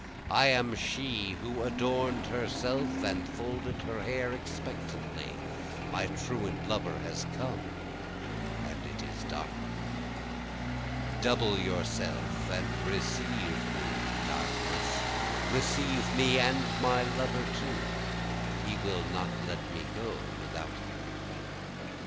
I am she who adorn'd herself and folded her hair expectantly, My truant lover has come, and it is dark. Double yourself and receive me darkness, Receive me and my lover too, he will not let me go without him.